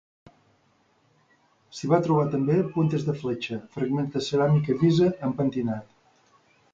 S'hi va trobar també puntes de fletxa, fragments de ceràmica llisa amb pentinat.